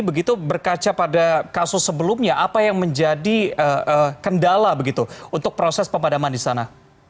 begitu berkaca pada kasus sebelumnya apa yang menjadi kendala begitu untuk proses pemadaman di sana